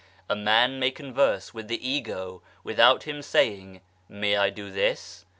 A man may converse with the ego within him saying :' May I do this ?